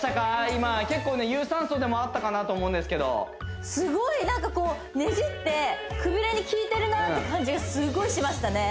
今結構有酸素でもあったかなと思うんですけどすごいなんかこうねじってくびれに効いてるなって感じがすごいしましたね